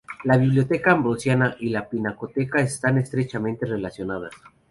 La Biblioteca Ambrosiana y la Pinacoteca están estrechamente relacionadas.